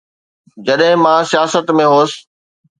جڏهن مان سياست ۾ هوس.